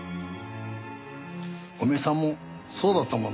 お前さんもそうだったもんな。